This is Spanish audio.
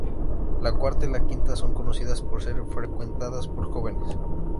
La "Cuarta" y la "Quinta" son conocidas por ser frecuentadas por jóvenes.